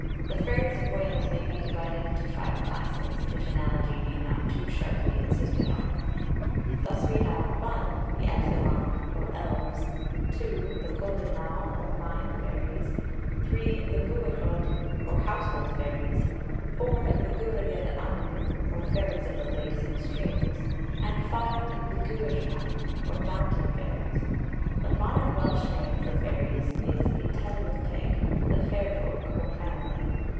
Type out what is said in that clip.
The fairies of Wales may be divided into five classes, if analogy be not too sharply insisted on. Thus we have, 1. The Ellyllon, or elves; 2. The Coblynau, or mine fairies; 3. The Bwbachod, or household fairies; 4. The Gwragedd Annwn, or fairies of the lakes and streams; and 5. The Gwyllion, or mountain fairies. The modern Welsh name for fairies is y Tylwyth Teg, the fair folk or family.